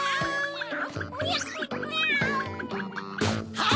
はい！